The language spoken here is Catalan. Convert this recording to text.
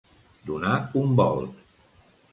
Donar un volt.